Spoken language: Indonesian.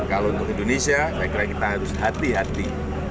kalau untuk indonesia saya kira kita harus hati hati